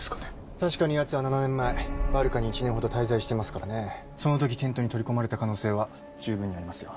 確かにやつは７年前バルカに１年ほど滞在してますからねその時テントに取り込まれた可能性は十分にありますよ